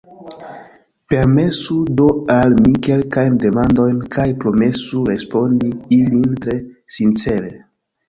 Permesu do al mi kelkajn demandojn kaj promesu respondi ilin tre sincere.